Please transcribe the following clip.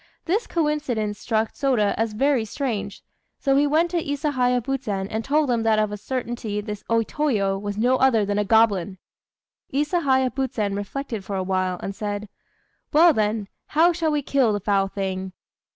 This coincidence struck Sôda as very strange, so he went to Isahaya Buzen and told him that of a certainty this O Toyo was no other than a goblin. Isahaya Buzen reflected for a while, and said "Well, then, how shall we kill the foul thing?"